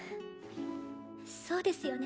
そうですよね。